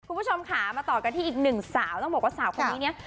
คุณผู้ชมค่ะมาต่อกันที่อีกหนึ่งสาวต้องบอกว่าสาวคนนี้เนี่ย